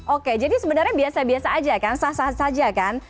oke jadi sebenarnya biasa biasa aja kan sah sah saja kan